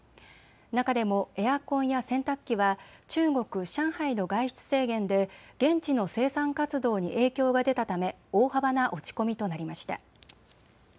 中でもエアコンや洗濯機は中国・上海の外出制限で現地の生産活動に影響が出たため大幅な落ち込みとなりました。